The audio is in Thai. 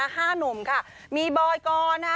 ๕หนุ่มค่ะมีบอยกอร์น